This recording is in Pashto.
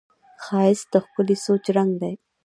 ښایست د ښکلي سوچ رنګ دی